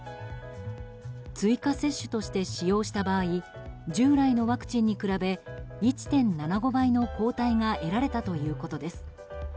追加接種として使用した場合従来のワクチンに比べ１．７５倍の抗体が得られたということです。